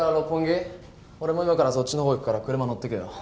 俺も今からそっちのほう行くから車乗っていけよ。